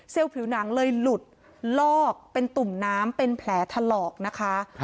ผิวหนังเลยหลุดลอกเป็นตุ่มน้ำเป็นแผลถลอกนะคะ